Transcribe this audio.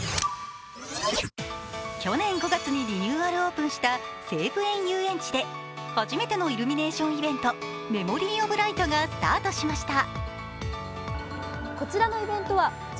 去年５月にリニューアルオープンした西武園ゆうえんちで初めてのイルミネーションイベント、「メモリー・オブ・ライト」がスタートしました。